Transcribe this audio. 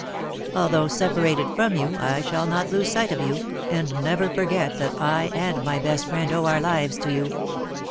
Although separated from you, I shall not lose sight of you, and never forget that I and my best friend owe our lives to you.